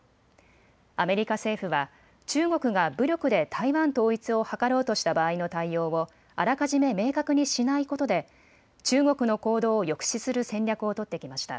アメリカ政府は中国が武力で台湾統一を図ろうとした場合の対応をあらかじめ明確にしないことで中国の行動を抑止する戦略を取ってきました。